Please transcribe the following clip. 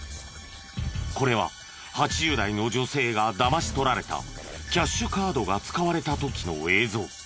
これは８０代の女性がだまし取られたキャッシュカードが使われた時の映像。